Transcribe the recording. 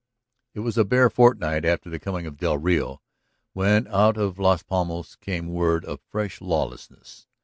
It was a bare fortnight after the coming of del Rio when out of Las Palmas came word of fresh lawlessness.